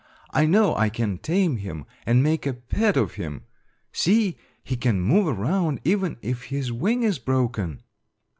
I know I can tame him and make a pet of him; see, he can move around even if his wing is broken."